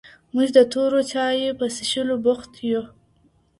موږ د تورو چای په څښلو بوخت یو.